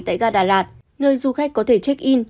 tại gà đà lạt nơi du khách có thể check in